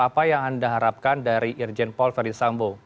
apa yang anda harapkan dari irjen ferdisambo